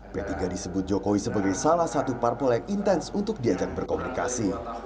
p tiga disebut jokowi sebagai salah satu parpol yang intens untuk diajak berkomunikasi